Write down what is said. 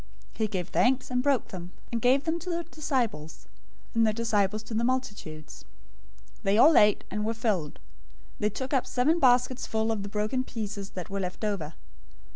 He gave thanks and broke them, and gave to the disciples, and the disciples to the multitudes. 015:037 They all ate, and were filled. They took up seven baskets full of the broken pieces that were left over.